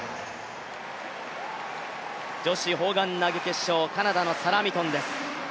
女子砲丸投決勝、カナダのサラ・ミトンです。